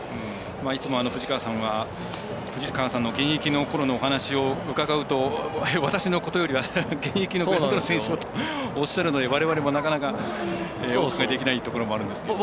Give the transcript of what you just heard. いつも藤川さんは現役の頃の話を伺うと、私のことより現役の選手をと、おっしゃるのでわれわれもなかなかお伺いできないところがあるんですけど。